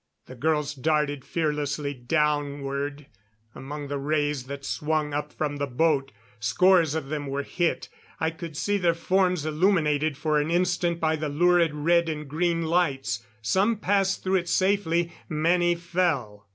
The girls darted fearlessly downward among the rays that swung up from the boat. Scores of them were hit; I could see their forms illuminated for an instant by the lurid red and green light. Some passed through it safely; many fell.